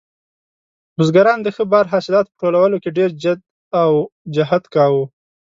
بزګران د ښه بار حاصلاتو په ټولولو کې ډېر جد او جهد کاوه.